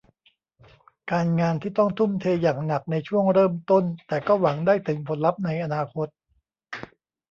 การงานที่ต้องทุ่มเทอย่างหนักในช่วงเริ่มต้น แต่ก็หวังได้ถึงผลลัพธ์ในอนาคต